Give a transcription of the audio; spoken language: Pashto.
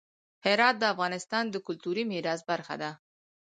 هرات د افغانستان د کلتوري میراث برخه ده.